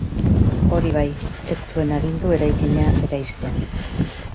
Hori bai, ez zuen agindu eraikina eraistea.